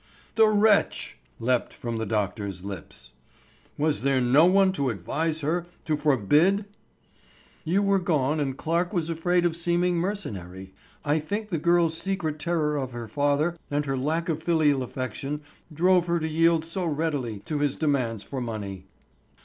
"The wretch!" leapt from the doctor's lips. "Was there no one to advise her, to forbid——" "You were gone and Clarke was afraid of seeming mercenary. I think the girl's secret terror of her father and her lack of filial affection drove her to yield so readily to his demands for money."